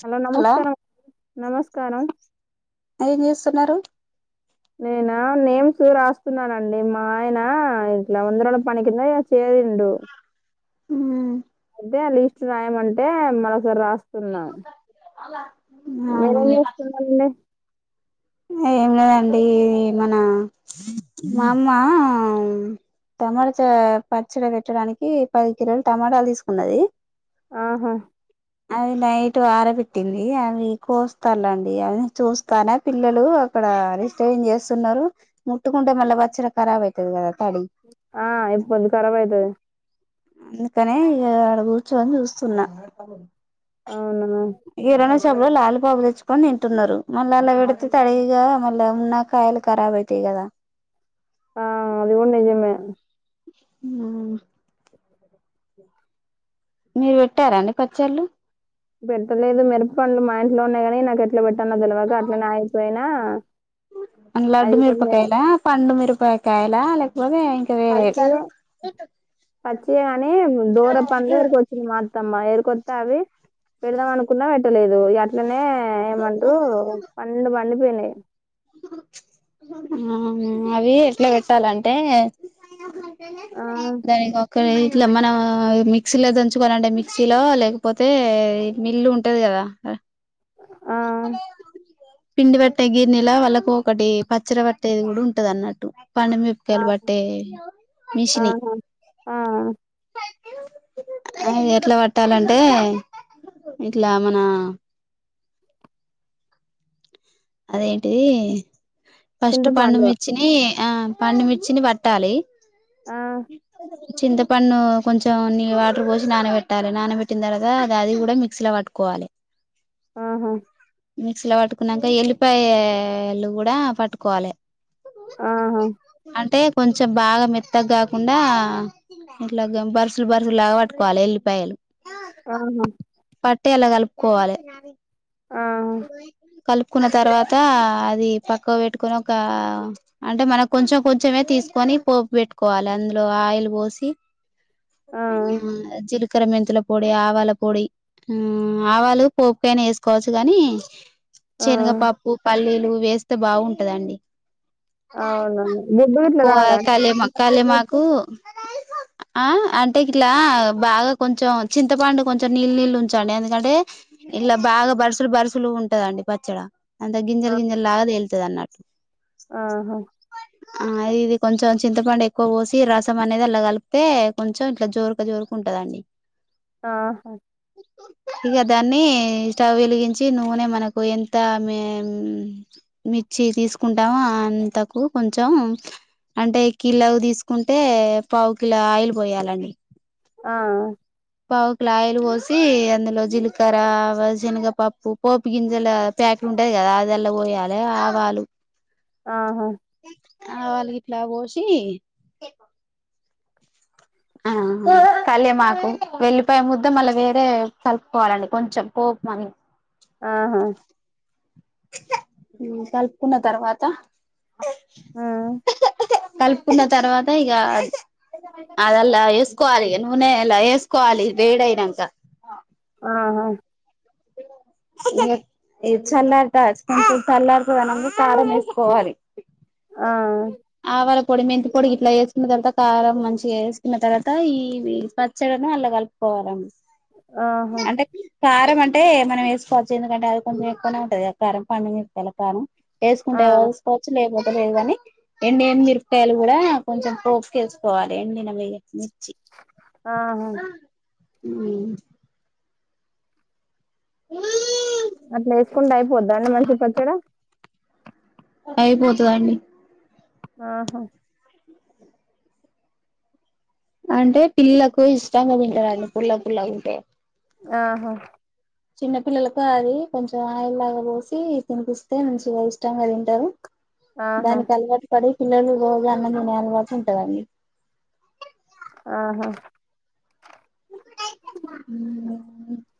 Hello నమస్కారం నమస్కారం స్తున్నారు నేనా నేమ్స్ రాస్తున్నానండి మా ఆయన ఇట్లా వందర పనికి కంద చే డు మ్మ్ అయితే లీస్ట్ రాయమంటే మారి రా స్తున్నా మీరేం చేస్తున్నండి ఏమి లేదండి మన మా అమ్మ టమాటా పచ్చడి పెట్టడానికి పది కిలోలు టమాటాలు తీసుకున్నది ఆహా అది నైట్ వర పెట్టింది అది కోస్తలండి అది చూస్తాల పిల్లలు అక్కడ రిస్టన్ చేస్తున్నారు ముట్టుకుంటే మళ్ళీ బచ్చడాఖరాబ్ అవుతుది కదా తడి ఆ ఇప్పు కొంతం ఖరాబ్ అవుతుది అందుకనే ఆడ కూర్చొని చూస్తున్నా అవునామా కిరాణా షాప్ లో లాలిపాప తెచ్చుకొని తింటున్నారు, మళ్ళ అలా పె తాడి ఈగ మళ్ళ ఉన్నాకాయలు ఖరాబ్ అయితయి కదా, ఆ అది కూడా నిజమే ఆ మీరు పెట్టారా అండి పచ్చళ్ళు పెట్టలేదు మిరప పండ్లు మా ఇంట్లో ఉన్నాయి. కాని నాకు ఎట్లా పెట్టాను తెలవకా అట్లనే అగి పోయినా, [unintelligible] లడ్డు మిరపకాయల పండు మిరపకాయలా లేకపోతే ఇంకా వేరే పచ్చియే పచ్చియే గాని దూర పలు ఎరుకొచ్చింది మా అత్తమ్మ ఎరుకొస్తా అవి పెడదాం అనుకున్నా పెట్టలేదు అట్లనే ఏమంటారు పండు పండిపోయినాయి. ఆ అవి ఎట్లా పెట్టాలంటే ఆ దాని గాకాడ ఏయి ఇట్లా మనం మిక్సీలో దంచుకోవాలంటే మిక్సీలో లేకపోతే మిల్లు ఉంటది, కదా ఆ పిండి పట్టే గిర్నెలా వాళ్ళకు ఒకటి పచ్చడ పట్టేది కూడా ఉంటది, అన్నట్టు పండు ఆ మిరపకాయలు పట్టే మిషిని, ఆహా ఆ అ ఎట్లా పట్టాలంటే ఇట్లా మన అదేంటిది ఫస్ట్ పండు చింతపండు మిర్చి ని ఆ పండుమిర్చిని పట్టాలి. ఆ చింతపండు కొంచెం నీ వాటర్ పోసి నానబెట్టాలి నానబెట్టిన తర్వాత అది అది కూడా మిక్సీ లో పట్టుకోవాలి. కోవాలె ఆహా మిక్సీ లో పట్టుకున్నాక ఎల్లిపాయలు కూడా పట్టుకోవాలి, ఆ హ అంటే కొంచెం బాగా మెత్తగ కాకుండా ఇట్లాగా బరుసులు, బరుసులుగా పట్టుకోవాలి ఎల్లిపాయలు, ఆహా పట్టి అలా కలుపుకోవాలి, ఆ కలుపుకున్న తర్వాత అది పక్కవ పెట్టుకొని ఒక అంటే మనం కొంచెం కొంచమే తీసు కోని పోపు పెట్టుకోవాలి అందులో ఆయిల్ పోసి, ఆ జీలకర్ర మెంతుల పొడి ఆవాల పొడి ఆ ఆవాలు పోప్పుకైనా వేసుకోవచ్చు, కాని ఆ శనగపాప్పు, పల్లీలు వేస్తే బాగుంటదండి. అవునా గుడ్డు గిట్ల కో రాదా అండి? కాలేమా, చింతపండు ఇట్లా అయితే? కాలేమాకు ఆ అంటే ఇట్లా బాగా కొంచెం చింతపండు, కొంచెం నీళ్ళు నీళ్ళు ఉంచండి ఎందుకంటే ఇలప్ బాగా బరుసలు బరుసులు ఉంటదండి పచ్చడి అంత ఆ గింజలు గింజలు లాగా తేలుతది అన్నట్టు, ఆహా ఆ అది ఇది కొంచెం చింతపండు ఎక్కువ పోసి రసం అనేది అలా కలిపితే కొంచెం ఇట్లా జోరక జోరుకుంటు, ఉంటదండి ఆహా ఇగా దాన్ని స్టవ్ వెలిగించి నూనె మనకు ఎంత మీ మిర్చి తీసుకుంటామో అంతకు కొంచెం అంటే కిలకు తీసుకుంటే పావు కిల ఆయిల్ పోయాలండి, ఆ పావు కిల ఆయిల్ పోసి అందులో జీలకర్ర శనగపప్పు పోపు గింజలు ప్యాకేట్ ఉంటది కదా అది అలా పోయాలి ఆవాలు, ఆహా ఆవాలు గిట్ల పోసి, ఆ కాలేమాకు వెళ్లిపాయ ముద్ద మళ్ళీ వేరే కలుపుకోవాలండి కొంచెం పోపు మం ఆహా కలుపుకున్న తర్వాత ఆ కలుపుకున్న తర్వాత ఇగా అదలా ఎస్కోవాలి నూనెలా ఎస్కోవాలి వేడి ఐనాక ఆహ ఈ చల్లారిత కొంచం చల్లారితదనంగా కారం వేసుకోవాలి ఆ ఆవాల పొడి మెంతి పొడి ఇట్లా వేసుకున్న తర్వాత కారం మంచిగా వేసుకున్న తర్వాత ఈ పచ్చడను అల్లా కలుపుకో కారం ఆహా కారం అంటే మనం వేసుకోవచ్చు ఎందుకంటే అది కొంచెం ఎక్కువనే ఉంటుంది కారం పండు మిరపకాయల కారం ఆ వేసుకుంటే వసుకోచ్చు లేకు లేదు కాని ఎండి ఏమి మిరపకాయలు కూడా కొంచెం పోపుకేసుకోవాలి ఎండిన ఆహ హూ ఉ అట్లా వేసుకుంటే అయిపోద్దా అండి మనకి పచ్చడ అయిపోతదండి ఆహా అంటే పిల్లలకు ఇష్టంగా తింటారండీ పుల్లపుల్లగా ఉంటే ఆహా చిన్న పిల్లలకు అది కొంచెం ఆయిల్ లాగా పోసి తినిపిస్తే మంచిగా ఇష్టంగా తింటారు ఆహా దానికి అలవాటు పడి పిల్లలు రోజు అన్నం తినే అలవాటు ఉంటదండి ఆహా ఉమ్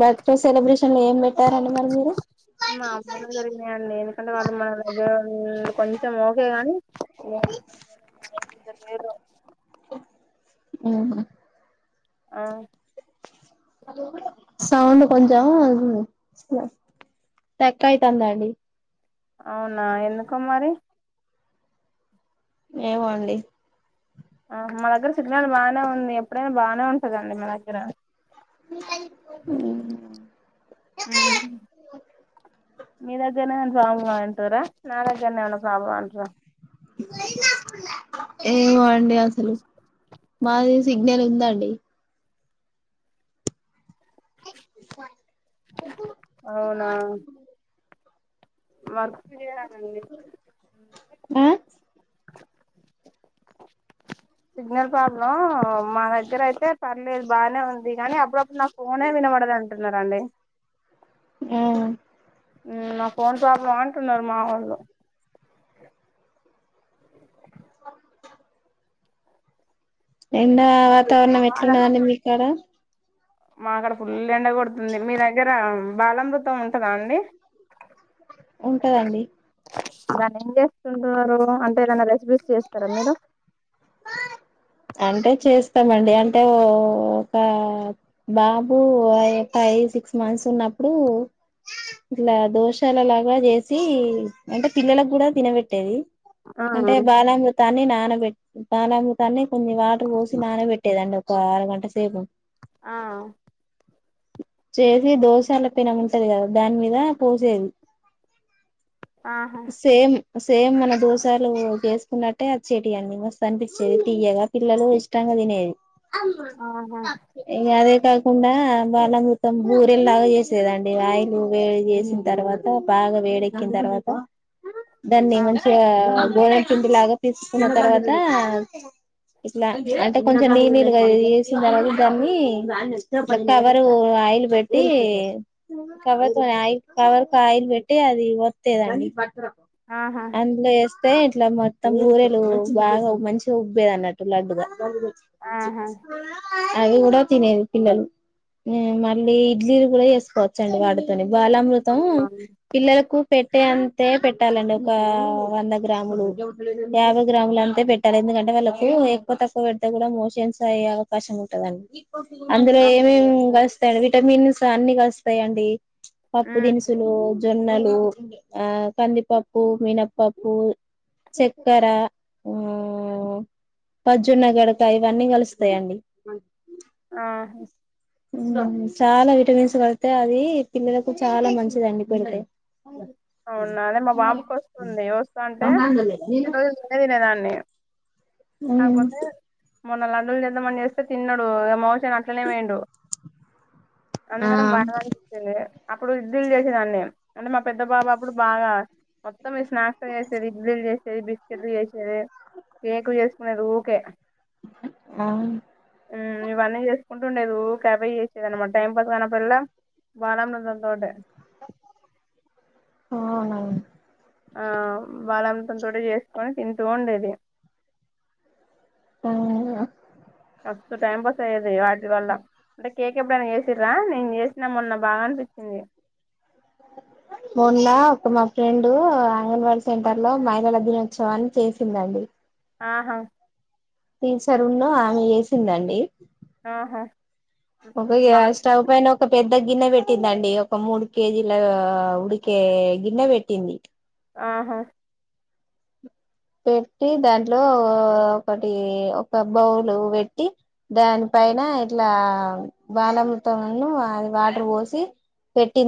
బర్త్ డే సెలబ్రేషన్ లో ఏం పెట్టారండి మరి మీరు నార్మల్ గా జరిగినాయండి ఎందుకంటే వాళ్ళు మన దగ్గర కొంచెం ఓకే గాని [unintelligible] ఉహు ఆ సౌండు కొంచం ఇది స్ట్రక్ అయితాందండి అవునా ఎందుకు మరి ఏమో అండి అహా మా దగ్గర సిగ్నల్ బాగానే ఉంది ఎప్పుడైనా బాగానే ఉంటదండి మా దగ్గర హూమ్ హుమ్ మీ దగ్గరనేవన్నా ప్రాబ్లం అంటరా నా దగ్గరనే ఏవన్నా ఫ్రాబ్లం అంటారా ఏవో అండి అసలు మాది సి గ్నలు ఉందండి [unintelligible] అవునా వర్కు చేయాలండి [inaudible] ఆ సిగ్నల్ ప్రాబ్లం మా దగ్గర అయితే పర్లేదు బాగానే ఉంది కానీ అప్పుడప్పుడు నాకు ఫోనే వినబడదు అంటున్నరండీ హ నా ఫోన్ ప్రాబ్లమా అంటున్నారు మా వాళ్ళు [inaudible] ఎండా వాతావరణం ఎట్లా ఉన్నదండీ మీకాడ మాకాడ ఫుల్ ఎండ కొడుతుంది మీ దగ్గర బాలామృతం ఉంటదా అండి [inaudible] ఉంటదండి దాన్ని ఏం చేసుకుంటున్నారు అంటే ఏదన్నా రె అంటే చేస్ స్తామండి అంటే ఒక బాబు ఫైవ్ సిక్స్ మంత్స్ ఉన్న ఇప్పుడు ఇట్లా దోశలలాగా చేసి అంటే పిల్లలకు కూడా తినబెట్టేది ఆ అంటే బాలామృతాన్ని నానబె బాలామృతాన్ని కొంచెం వాటర్ పోసి నానబట్టేదండి ఒక ఒక అరగంట సేపు ఆ చేసి దోశల పెనముం ఉంటాది కదా దాని మీద పోసేది ఆహా సేమ్ సేమ్ మన దోశలు చేసుకున్నట్టే వచ్ఛేటియ్యి అండి మస్తు అనిపించేది తీయగా పిల్లలు ఇష్టంగా తినేది ఆహా అదే కాక కాకుండా బలామృతం పూరి లాగా చేసేదండి ఆయిలు వేడి చేసిన తర్వాత బాగా వెడకి తర్వాత దాన్ని ఆ మంచిగా పిండి లాగా తీసుకున్న తర్వాత ఇట్లా అంటే కొంచెం నీ నీరుగా వేసి కలరు గామి తర్వాత దాన్ని కవరు ఆయిల్ పెట్టి కవర్ కవర్ కు ఆయిల్ పెట్టి అది వత్తేదండి ఆహా అందులో వేస్తా ఇట్లా మొత్తం కూరేలు బాగా మంచిగా ఉబ్బేది అన్నట్టు లడ్డుగా ఆహా [inaudible] అవి కూడా తినేది పిల్లలు మళ్ళీ ఇడ్లీలు కూడా చెసుకోవచ్చండి వాడుతోనే బాలామృతం ఉమ్ పిల్లలకు పెట్ట పట్టే అంతే పెట్టాలండి ఒక వంద గ్రాములు యాభై గ్రాములు అంతే పెట్టాలి ఎందుకంటే వాళ్ళలకు ఎక్కువ తక్కువ పెడితే కూడా మోషన్స్ అయ్యే అవకాశం ఉంటదండి అందులో ఏమేమి వస్తాయి విటమిన్స్ అన్ని వస్తాయిండి పప్పు తినుసులు జొన్నెలు ఆ కందిపప్పు మినప్పప్పు చక్కర అ పజ్జున్న గడక ఇవన్నీ కలుస్తాయండి ఆ చాలా విటమిన్స్ కడితే అది పిల్లలకు చాలా మంచిద అండి పెడితే అవునా అదే మా బాబుకి వస్తుంది వస్త అంటే రెండు రోజులు నెనే తినేదాన్ని కాకపోతే మొన్న లడ్డలు చేద్దామ చేస్తే తిన్నాడు మోషన్ అట్లనే పోయుండు ఆ అందరం బాగా అనిపించింది అప్పుడు ఇడ్లీలు చేసందాన్ని అంటే మా పెద్ద పెద్ద బాబా అప్పుడు బాగా మొత్తం స్నాక్స్ చేసేది ఇడ్లీలు చేసేది బిస్కెట్లు చేసేది కేక్ చేసుకున్నె ఊకే ఆ ఉమ్ ఇవన్నీ చేసుకుంటే నెను ఓకే అవే చేసేదన్నమాట టైం పాస్ గానప్పుడల్లా బాలామృతం తోటే అవును ఆ బాలామృతం తోటే చేసుకొని తింటూ ఉండేది ఆ మస్త్ టైం పాస్ అయ్యేది వాటి వల్ల అంటే కేక్ ఎప్పుడైనా చేసిరా నేను చేసినా మొన్న బాగా అనిపించింది [inaudible] మొన్లా ఒక మా ఫ్రెండు అంగన్వాడీ సెంటర్ లో మహిళల దినోత్సవాన్ని చేసిందండి ఆహా టిసర్ ఉన్న ఆమే చేసిందండి ఆహా ఒగ యి బాగా యస్ స్టవ్ పైన ఒక పెద్ ద్ద గిన్నె పెట్టిందండి ఒక మూడు కేజీల ఆ ఉడికే ఆ గిన్నె పెట్టింది ఆహా పెట్టి దాంట్లో ఒకటి ఒక బౌలు పెట్టి దాని పై పైన ఇట్లా బాలామృతం ను అ ద్ వాటర్ పోసి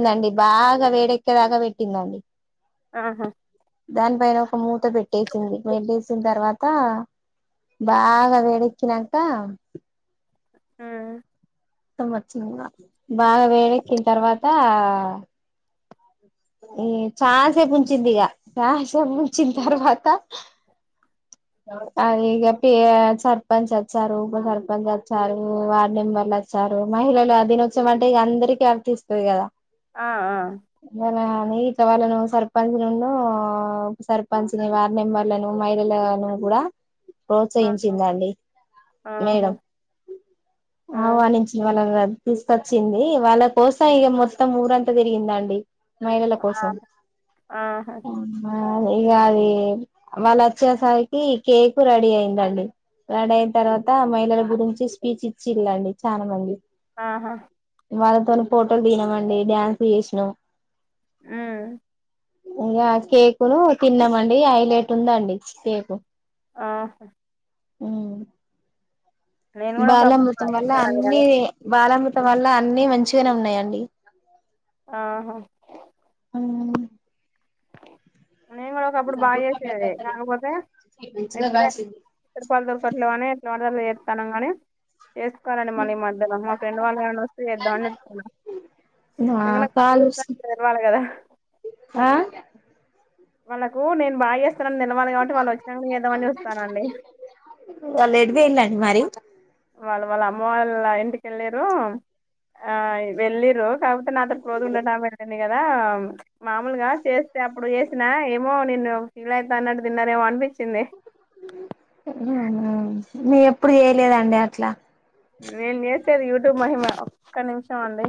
ఉమ్, బాగా వేడెక్కేదాకా పెట్టిందండి ఆహా దాని పైన ఒక మూత పెట్టేసింది పెట్టేసిన్ తర్వాత అ బాగా వేడేకి నంకా ఆ [unintelligible] మొత్తం వచింగ బాగా వేడెకీ న్ తర్వాత అ ఈ చాన్ సేప్ ఉంచిదిగ చాన్ సేపు ఉంచిన్ తర్వాత ఆ ఇగ పి అ సర్ పంచ్ వచ్చారు ఉప సర్ పంచ్ వచ్చారు వార్డ్ నెంబర్లు వచ్చారు మహిలల దినోసం అంటే ఇగ అందరికీ అర్ తిస్తుంది కదా ఆ ఆ కాని ఇట వాళ్ళ ను సర్ పంజును ఆ ఉప సర్ పంచ్ ని వార్డ్ నెంబర్లను మహిళల నన్ను గూడా ఆహా ప్రోత్సహించిందండి ఆహా మేడం ఆ ఆవానించిన వాల్ అందరన్ తీస్ కొచ్చింది వాళ్ళ కోసం ఇగ మొత్తం ఊరంతా తిరిగిందండి మైల కోసం ఆహా అవ్ ఆ ఇగ అది వాల్ అచ్చేసరికి కేకు రడీ అయిందండి రడయన్ తర్వాత మహిళల గురించి స్పీచ్ ఇచ్చిల్ లండి చాల మంది ఆహా వాళ్ళతోని ఫోటోలు దిగినమండి డ్యాన్స్ ఎశ్ నమ్ హ్మ్ ఇంగ కేకును తిన్నామండి ఐలేటు ఉందండి కేకు ఆహా హుమ్ నేను కూడా ఒకప్పుడు బాలామృతం బాగా వల్ల చేసేదాన్ని కానీ అన్ని బాలామృతం ఉమ్, వల్ల అన్ని మంచి చిగా నే ఉన్నాయండి ఆహా నేను కూడా ఒకప్పుడు బా చేసేది కాకపోతే ఇప్పుడే పలు దొరకట్లులేవు అని వర్ దళ్ [unintelligible] చేతనం గాని చేసుకోలండి మళ్ళీ ఈ మధ్యలో మా ఫ్రెండ్ వాళ్ళు గాండ్లు వస్తే చేద్దాం అని చు ఇంగ నా పల్ [unintelligible] తెల్ వాల్ కద ఆ వాళ్ళలకు నేను బాచే వస్త రన్ తెల్ వాల్ కాబట్టి వాళ్ళు వచ్ నంక్ చేద్దామని చూస్తానండి వాళ్ళు ఎటు పోయిల్లండి మరి వాళ్ళు వాళ్ళ అమ్మ వాళ్ళ ఇంటిక్ ఎళ్ళిరు ఆ వెళ్ళిరు కాబట్ నాతో క్లోస్ ఉన్నటమే అండ్ [unintelligible] నే కదా చ్ మామూలుగా చేస్తే అప్పుడు చేసినా ఏమో నిేన్న ఫీల్ అయితాన్నట్టు తిన్నారేమో అన్ అనిపిచింది మీ ఎప్పుడ్ చేయిలేదండి అట్లా నేన్ చేసేది యూట్యూబ్ మహిమ ఒక్క నిమిషం అండి